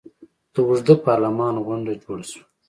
د اوږده پارلمان غونډه جوړه شوه.